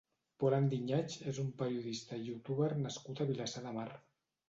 Pol Andiñach és un periodista i youtuber nascut a Vilassar de Mar.